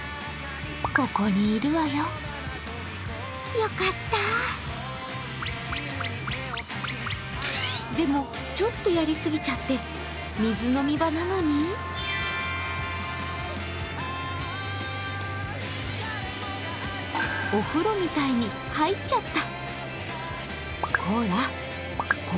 だけどでも、ちょっとやりすぎちゃって、水飲み場なのにお風呂みたいに入っちゃった。